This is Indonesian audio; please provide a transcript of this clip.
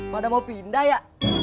pada mau pindah ya